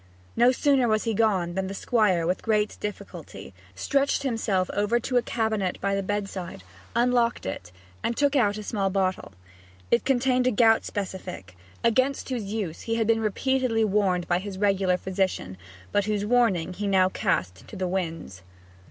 No sooner was he gone than the Squire, with great difficulty, stretched himself over to a cabinet by the bedside, unlocked it, and took out a small bottle. It contained a gout specific, against whose use he had been repeatedly warned by his regular physician, but whose warning he now cast to the winds.